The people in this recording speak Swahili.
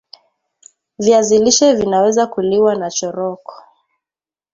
viazi lishe Vinaweza kuliwa nachoroko